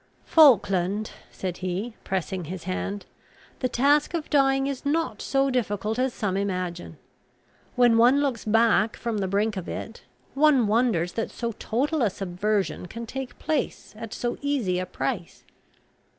"Falkland," said he, pressing his hand, "the task of dying is not so difficult as some imagine. When one looks back from the brink of it, one wonders that so total a subversion can take place at so easy a price."